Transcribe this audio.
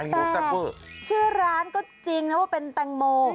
แต่ชื่อร้านก็จริงนะว่าเป็นแตงโม